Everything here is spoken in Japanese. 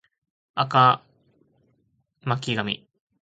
赤巻紙